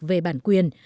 về bản quyền